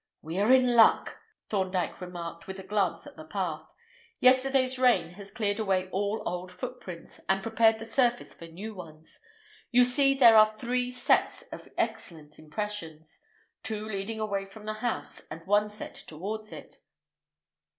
"We are in luck," Thorndyke remarked, with a glance at the path. "Yesterday's rain has cleared away all old footprints, and prepared the surface for new ones. You see there are three sets of excellent impressions—two leading away from the house, and one set towards it.